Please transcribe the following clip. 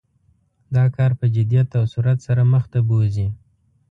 دا کار په جدیت او سرعت سره مخ ته بوزي.